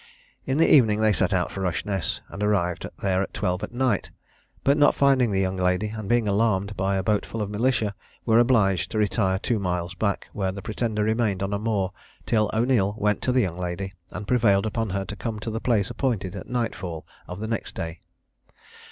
In the evening they set out for Rushness, and arrived there at twelve at night; but not finding the young lady, and being alarmed by a boat full of militia, they were obliged to retire two miles back, where the Pretender remained on a moor till O'Neil went to the young lady, and prevailed upon her to come to the place appointed at night fall of the next day.